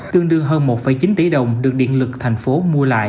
tương đương hơn một chín tỷ đồng được điện lực thành phố mua lại